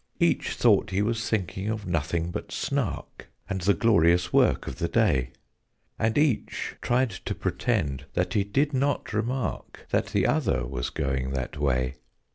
Each thought he was thinking of nothing but "Snark" And the glorious work of the day; And each tried to pretend that he did not remark That the other was going that way.